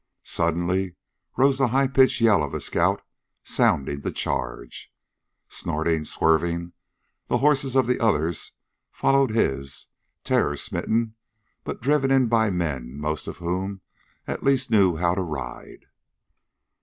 Suddenly rose the high pitched yell of the scout, sounding the charge. Snorting, swerving, the horses of the others followed his, terror smitten but driven in by men most of whom at least knew how to ride.